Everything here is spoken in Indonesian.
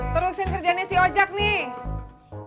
terusin kerjanya si ojek nih